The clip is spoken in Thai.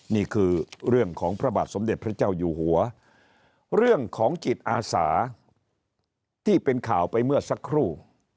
นี่คือเรื่องของพระบาทสมเด็จพระเจ้าอยู่หัวเรื่องของจิตอาสาที่เป็นข่าวไปเมื่อสักครู่